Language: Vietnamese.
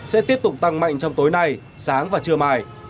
sẽ tiếp tục tăng mạnh trong tối nay sáng và trưa mai